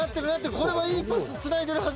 これはいいパスつないでるはず。